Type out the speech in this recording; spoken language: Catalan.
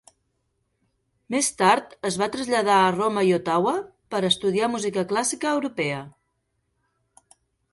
Més tard es va traslladar a Roma i Ottawa per estudiar música clàssica europea.